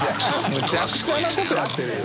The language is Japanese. むちゃくちゃなことやってるよ。